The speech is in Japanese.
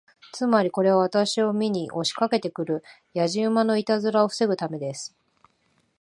つまり、これは私を見に押しかけて来るやじ馬のいたずらを防ぐためです。